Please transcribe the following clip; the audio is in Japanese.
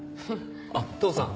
あっ父さん！